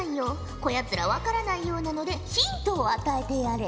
こやつら分からないようなのでヒントを与えてやれ。